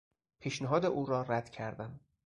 پیشنهاد او را رد کردم.